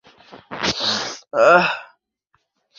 তবে প্রকৃতপক্ষে কত জন মারা গিয়েছেন তা বলা যাচ্ছে না।